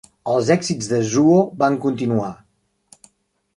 Els èxits de Zuo van continuar.